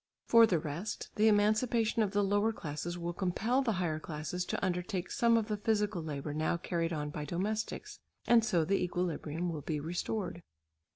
For the rest the emancipation of the lower classes will compel the higher classes to undertake some of the physical labour now carried on by domestics and so the equilibrium will be restored.